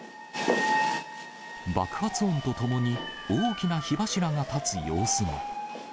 爆発音とともに、大きな火柱が立つ様子も。